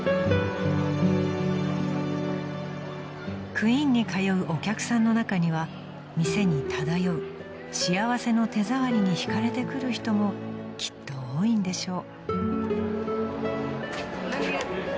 ［クインに通うお客さんの中には店に漂う幸せの手触りに引かれてくる人もきっと多いんでしょう］